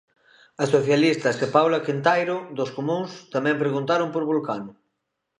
As socialistas e Paula Quintairo, dos comúns, tamén preguntaron por Vulcano.